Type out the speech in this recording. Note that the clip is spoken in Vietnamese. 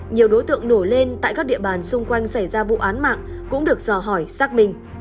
nhiều đối tượng nổi lên tại các địa bàn xung quanh xảy ra vụ án mạng cũng được dò hỏi xác minh